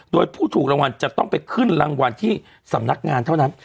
โดยผู้ถูกรางวัลจะต้องไปขึ้นรางวัลที่สำนักงานเท่านั้น